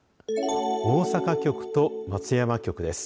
大阪局と松山局です。